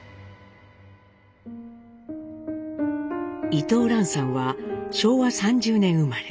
伊藤蘭さんは昭和３０年生まれ。